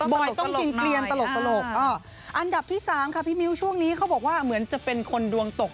บอกต้องกินเกลียนตลกอันดับที่สามค่ะพี่มิ้วช่วงนี้เขาบอกว่าเหมือนจะเป็นคนดวงตก